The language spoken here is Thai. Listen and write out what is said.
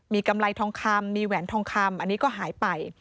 มีกำไรทองคำมีแหวนทองคำอันนี้ก็หายไป